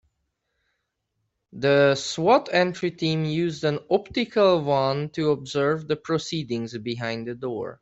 The S.W.A.T. entry team used an optical wand to observe the proceedings behind the door.